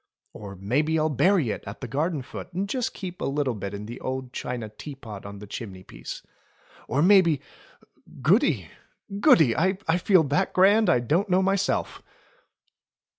Or maybe I'll bury it at the garden foot and just keep a bit in the old china teapot on the chimney piece. Or maybe — Goody ! Goody ! I feel that grand I don't know myself."